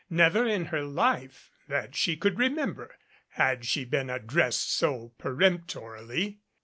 Never in her life, that she could remember, had she been addressed so peremptorily.